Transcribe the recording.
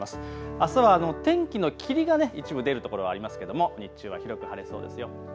あすは天気の霧が一部出る所ありますけれども日中は広く晴れそうですよ。